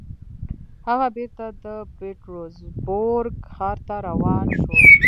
هغه بېرته د پیټرزبورګ ښار ته روان شو